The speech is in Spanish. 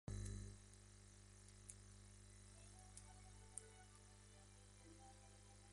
Página Web del ayuntamiento de Zacoalco de Torres, Jalisco.